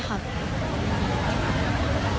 ใช่ครับ